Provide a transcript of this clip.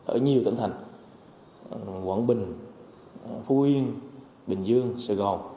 ở nhiều tỉnh thành quảng bình phú yên bình dương sài gòn